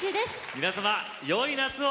皆さまよい夏を！